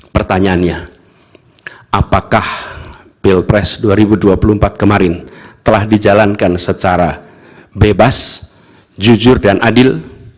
pertanyaannya apakah pilpres dua ribu dua puluh empat kemarin telah dijalankan secara bebas jujur dan adil